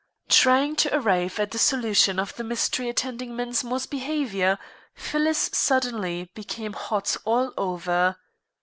Trying to arrive at a solution of the mystery attending Mensmore's behavior, Phyllis suddenly became hot all over.